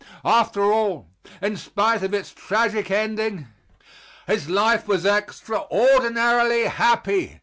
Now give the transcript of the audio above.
After all, in spite of its tragic ending, his life was extraordinarily happy.